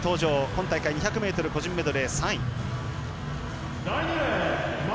今大会２００ｍ個人メドレー３位。